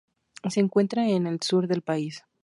Se encuentra en el sur del país.